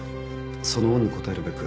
その恩に応えるべく。